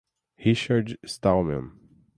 Richard Stallman